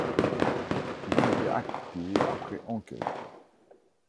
Ils ont été acquittés après enquête.